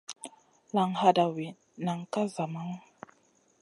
Laŋ hadawi, nan ka zamaŋu.